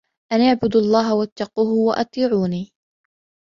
أَنِ اعْبُدُوا اللَّهَ وَاتَّقُوهُ وَأَطِيعُونِ